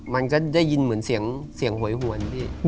มันก็ได้ยินเหมือนเสียงหวยหวนพี่